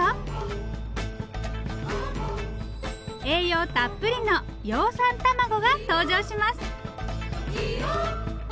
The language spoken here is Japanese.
栄養たっぷりの葉酸たまごが登場します。